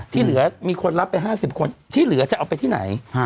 ที่เหลือมีคนรับไป๕๐คนที่เหลือจะเอาไปที่ไหน